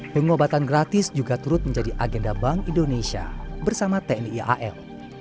pengobatan gratis juga turut menjadi agenda bank indonesia bersama tni al